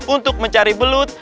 untuk mencari belut